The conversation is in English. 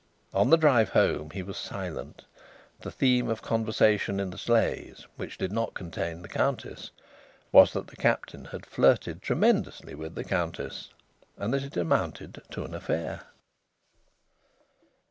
On the drive home he was silent. The theme of conversation in the sleighs which did not contain the Countess was that the Captain had flirted tremendously with the Countess, and that it amounted to an affair.